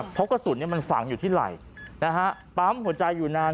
เพราะกระสุนมันฝังอยู่ที่ไหล่นะฮะปั๊มหัวใจอยู่นาน